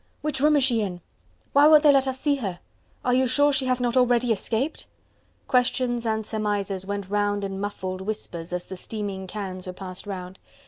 "Which room is she in?" "Why won't they let us see her?" "Are you sure she hath not already escaped?" Questions and surmises went round in muffled whispers as the steaming cans were passed round.